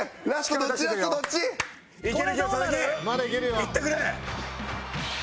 いってくれ！